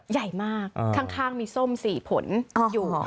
ใหญ่มากข้างมีส้ม๔ผลอยู่